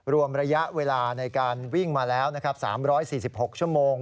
รวมระยะเวลาในการวิ่งมาแล้ว๓๔๖ชั่วโมง